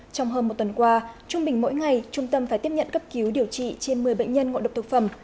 trong hơn một tuần qua trung bình mỗi ngày trung tâm phải tiếp nhận cấp cứu điều trị trên một mươi bệnh nhân ngộ độc thực phẩm